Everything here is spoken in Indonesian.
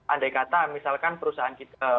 andai kata misalkan perusahaan kita